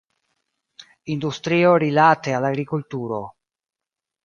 Industrio rilate al agrikulturo.